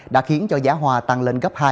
đã khiến cho giá hoa tăng lên gấp hai